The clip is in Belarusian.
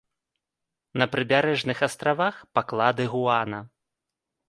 На прыбярэжных астравах паклады гуана.